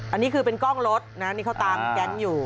อันนี้คือเป็นกล้องรถนะนี่เขาตามแก๊งอยู่